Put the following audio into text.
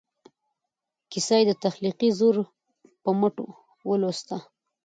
کیسه یې د تخلیقي زور په مټ ولوسته.